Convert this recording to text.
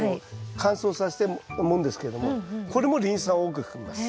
乾燥させたもんですけれどもこれもリン酸を多く含みます。